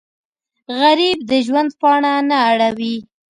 غریب د ژوند پاڼه نه اړوي